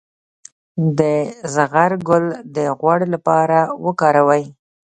د زغر ګل د غوړ لپاره وکاروئ